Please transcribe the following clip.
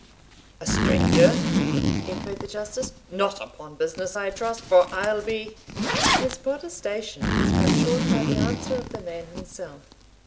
"A stranger!" echoed the Justice "not upon business, I trust, for I'll be" His protestation was cut short by the answer of the man himself.